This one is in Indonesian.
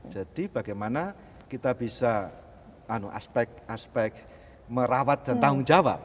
jadi bagaimana kita bisa aspek aspek merawat dan tanggung jawab